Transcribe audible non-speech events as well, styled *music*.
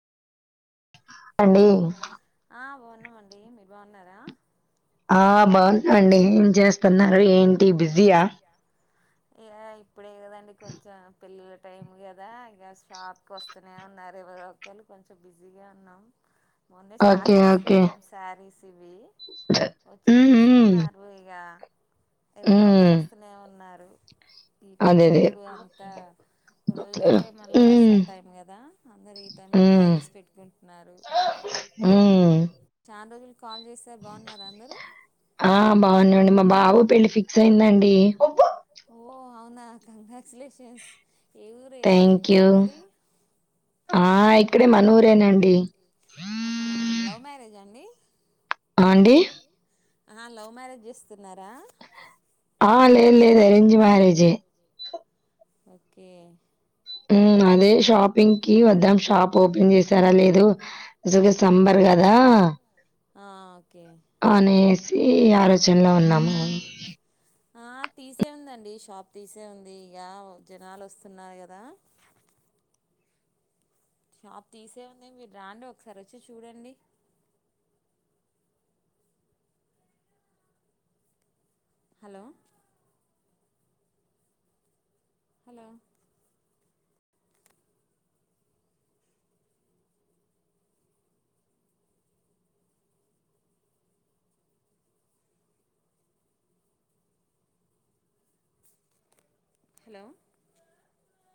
అండి న్నామండి మీరు బాన్నారా ఆ బావున్నామండి ఏం జేస్తున్నారు ఏంటి బిజీ ఆ ఇగ ఇప్పుడే కదండి కొంచెం పెళ్లిళ్ల టైమ్ గదా ఇగ షాప్కి వస్తనే ఉన్నారు ఎవరో ఒక్కొళ్ళు కొంచెం బిజీగా ఉన్నాం మొన్నే స్టాక్ ఓకే ఓకే తీసుకొచ్చాం శారీస్ ఇవి వచ్చి ఉమ్ ఉమ్ చూస్తున్నారు ఇగ ఎవరో ఒకలు ఉమ్ వస్తనే ఉన్నారు ఈ టైమ్ అదే లో అదే ఇప్పుడు అంతా కొన్ని రోజులైతే మళ్ళ ఉమ్ వర్షాల టైం కదా అందరు ఈ టైమ్ లో మ్యారేజెస్ పెట్టుకుంటున్నారు ఉమ్మ్ అన్ రోజులు కాల్ జేసే బాన్నార అందరూ ఆ బాగున్నాండి మా బాబు పెళ్లి ఫిక్స్ అయిందండి ఓ అవునా కంగ్రాచులేషన్స్ థ్యాంక్యూ ఆ ఇక్కడే మనూరేనండి ఆహా లవ్ మ్యారేజా అండి ఆ అండి ఆ లవ్ మ్యారేజ్ జేస్తున్నారా ఆ లేదు లేదు అరేంజ్ మ్యారేజే ఓకే మ్మ్ అదే షాపింగ్కి వద్దాం షాప్ ఓపెన్ చేసారా లేదు అసలుగా సమర్గ కదా ఆ.. ఓకే అనేసి ఆలోచనలో ఉన్నాము ఆ తీసే ఉందండి షాప్ తీసే ఉంది ఇగ జనాలు వస్తున్నారు కదా *inaudible* షాప్ తీసే ఉంది మీరు రాండి ఒకసారి వచ్చి చూడండి హలో హలో హలో